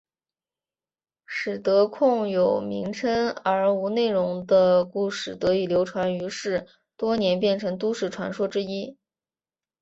使得空有名称而无内容的故事得以流传于世多年变成都市传说之一。